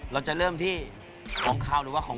เราจะเริ่มที่ของขอบว่าสดหรือของ